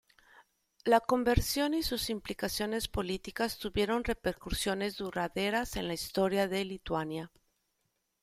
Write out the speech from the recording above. La conversión y sus implicaciones políticas tuvieron repercusiones duraderas en la historia de Lituania.